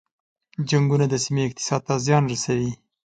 جنګونه د سیمې اقتصاد ته زیان رسوي.